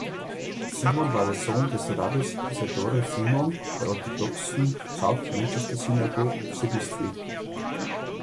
Simon war Sohn des Rabbis Isadore Simon der orthodoxen South Manchester Synagogue, Sydney St.